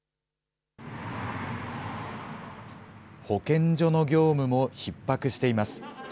保健所の業務もひっ迫しています。